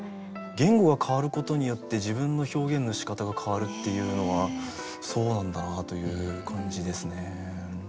言語が変わることによって自分の表現のしかたが変わるっていうのはそうなんだなという感じですね。